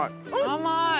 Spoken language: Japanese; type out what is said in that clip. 甘い！